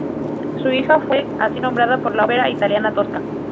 Su hija fue así nombrada por la ópera italiana Tosca.